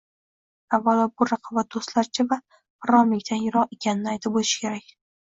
Avvalo, bu raqobat doʻstlarcha va gʻirromlikdan yiroq ekanini aytib oʻtish kerak.